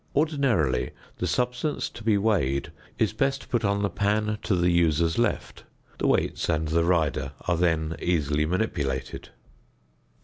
Ordinarily the substance to be weighed is best put on the pan to the user's left; the weights and the rider are then easily manipulated.